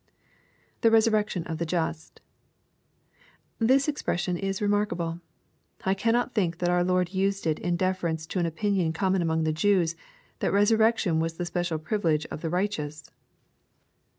[The resurrection of the just] This expression, is remakable^ I cannot think that our Lord used it in deference to an opinion oommon among the Jews, that resurrection was the special phvilege of U e righteous.